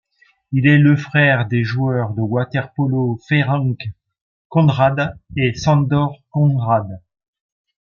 Il est le frère des joueurs de water-polo Ferenc Konrád et Sándor Konrád.